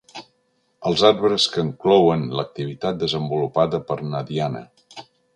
Els arbres que enclouen l'activitat desenvolupada per na Diana.